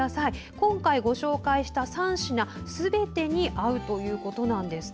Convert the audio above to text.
今回ご紹介した３品すべてに合うということなんですね。